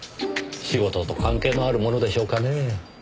仕事と関係のあるものでしょうかね？